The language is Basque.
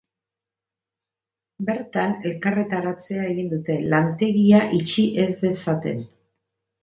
Bertan, elkarretaratzea egin dute, lantegia itxi ez dezaten.